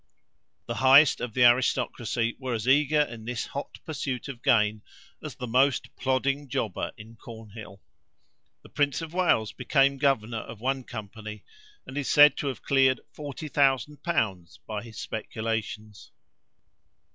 The highest of the aristocracy were as eager in this hot pursuit of gain as the most plodding jobber in Cornhill. The Prince of Wales became governor of one company, and is said to have cleared 40,000l. by his speculations.